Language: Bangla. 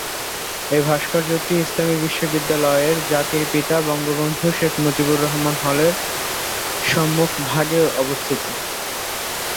এই ভাস্কর্যটি ইসলামী বিশ্ববিদ্যালয়ের জাতির পিতা বঙ্গবন্ধু শেখ মুজিবুর রহমান হলের সম্মুখভাগে অবস্থিত।